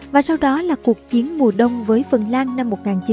và sau đó là cuộc chiến mùa đông với phần lan năm một nghìn chín trăm bảy mươi